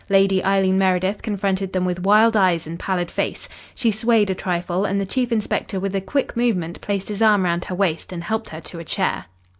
Lady Eileen Meredith confronted them with wild eyes and pallid face. She swayed a trifle, and the chief inspector with a quick movement placed his arm round her waist and helped her to a chair.